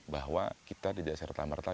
bahwa kita di desa rata rata